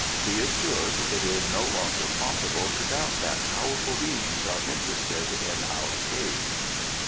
Be assured: it is no longer possible to doubt that powerful Beings are interested in our cause."